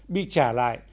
bị trả lại